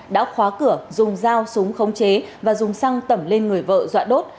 đã khóa cửa dùng dao súng khống chế và dùng xăng tẩm lên người vợ dọa đốt